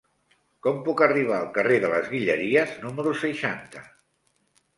Com puc arribar al carrer de les Guilleries número seixanta?